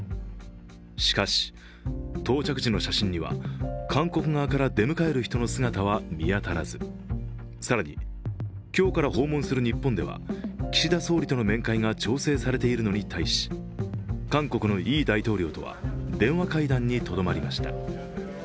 しかし、到着時の写真には韓国側から出迎える人の姿は見当たらず、更に、今日から訪問する日本では岸田総理との面会が調整されていのに対し韓国のユン大統領とは電話会談にとどまりました。